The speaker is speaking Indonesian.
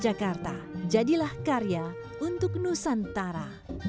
jakarta jadilah karya untuk nusantara